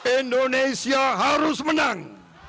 indonesia harus menang